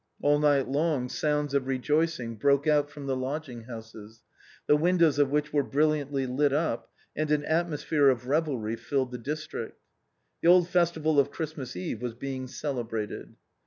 All night long sounds of rejoicing broke out from the lodging houses, the windows of which were brilliantly lit up, and an atmosphere of revelry filled the district. The old festival of Christmas Eve was being celebrated.